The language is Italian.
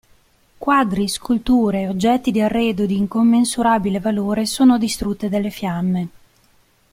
Quadri, sculture, oggetti di arredo di incommensurabile valore sono distrutte dalle fiamme.